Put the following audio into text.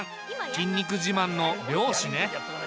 筋肉自慢の漁師ね。